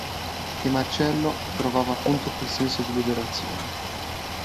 E Marcello provava appunto quel senso di liberazione.